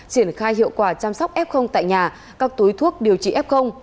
triển khai hiệu quả chăm sóc f tại nhà các túi thuốc điều trị f